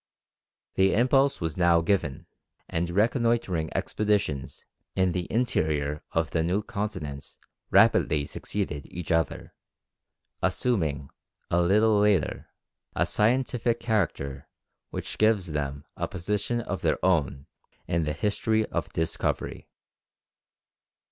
The impulse was now given, and reconnoitring expeditions in the interior of the new continent rapidly succeeded each other, assuming, a little later, a scientific character which gives them a position of their own in the history of discovery.